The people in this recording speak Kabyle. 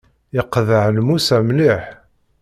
Yeqḍeɛ lmus-a mliḥ.